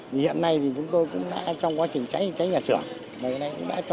hiện nay thì chúng tôi cũng đã trong quá trình cháy nhà sửa